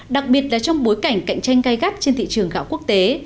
đặc biệt là trong bối cảnh cạnh tranh gai gắt trên thị trường gạo quốc tế